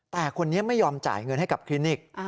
แต่คนนี้ไม่ยอมจ่ายเงินให้กับคลินิก